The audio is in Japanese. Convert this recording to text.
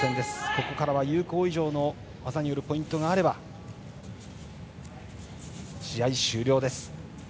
ここからは有効以上の技によるポイントがあれば試合終了です。